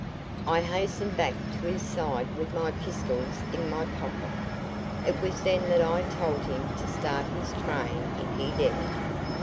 I hastened back to his side with my pistols in my pocket. It was then that I told him to start his train if he dared.